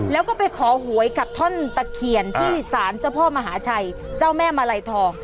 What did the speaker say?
แล้วก็ไปขอหวยกับท่อนตะเคียนที่สารเจ้าพ่อมหาชัยเจ้าแม่มาลัยทอง